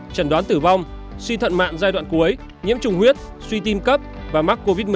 trần đoán tử vong suy thận mạng giai đoạn cuối nhiễm trùng huyết suy tim cấp và mắc covid một mươi chín